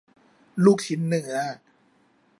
ลูกชิ้นเนื้อ